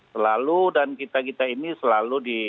selalu dan kita kita ini selalu di